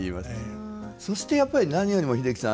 そしてやっぱり何よりも英樹さん